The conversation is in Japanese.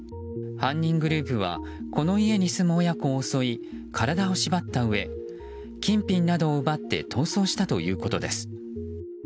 犯人グループはこの家に住む親子を襲い体を縛ったうえ金品などを奪って逃走したということです。